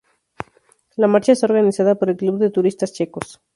La marcha está organizada por el Club de turistas checos.